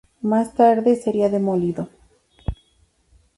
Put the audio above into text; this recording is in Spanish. Más tarde sería demolido.